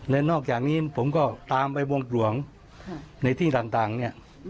และนอกจากนี้ผมก็ตามไปวงหลวงในที่ต่างเนี่ย